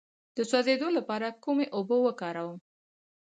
د سوځیدو لپاره کومې اوبه وکاروم؟